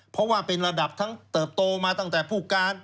เพราะว่าเป็นระดับทั้งเติบโตมาตั้งแต่ผู้การ